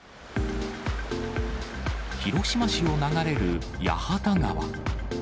広島市を流れる八幡川。